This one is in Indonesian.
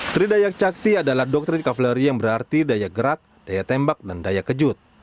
tridayak cakti adalah doktrin kavaleri yang berarti daya gerak daya tembak dan daya kejut